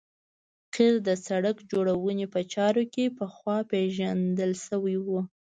قیر د سرک جوړونې په چارو کې پخوا پیژندل شوی و